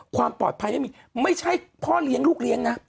ความปลอดภัยไม่มีไม่ใช่พ่อเลี้ยงลูกเลี้ยงนะ